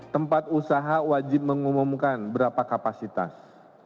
tempat usaha wajib mengumumkan berapa kapasitas